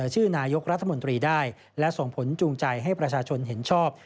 ชื่อนายกรัฐมนตรีได้และส่งผลจูงใจให้ประชาชนเห็นชอบ